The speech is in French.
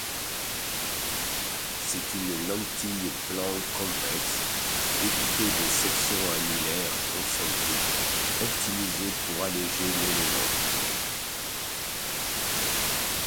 C'est une lentille plan-convexe découpée de sections annulaires concentriques optimisées pour alléger l'élément.